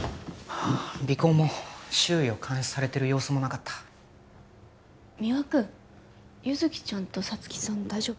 尾行も周囲を監視されてる様子もなかった三輪君優月ちゃんと沙月さん大丈夫？